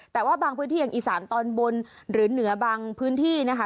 แต่ว่าบางพื้นที่อย่างอีสานตอนบนหรือเหนือบางพื้นที่นะคะ